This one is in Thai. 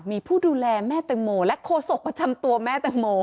มีผู้ดูแลแม่แตงโมและโฆษกประจำตัวแม่แตงโม